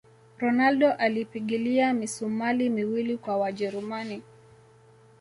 ronaldo alipigilia misumali miwili kwa wajerumani